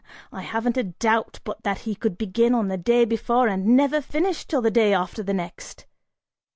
I haven't a doubt but that he could begin on the day before and never finish till the day after the next!